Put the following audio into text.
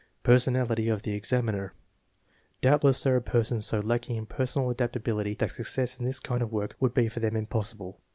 Personality of the examiner. Doubtless there are persons so lacking in personal adaptability that success in this kind of work would be for them impossible.